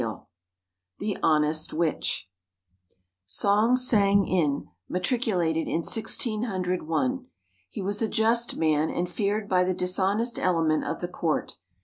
XXV THE HONEST WITCH [Song Sang in matriculated in 1601. He was a just man, and feared by the dishonest element of the Court.